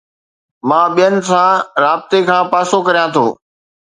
مان ٻين سان رابطي کان پاسو ڪريان ٿو